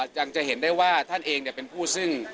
จะเห็นได้ว่าท่านเองเป็นผู้ซึ่ง